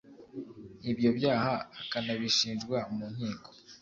Ibyo byaha akanabishinjwa mu nkiko